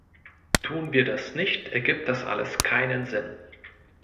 Tun wir das nicht, ergibt das alles keinen Sinn.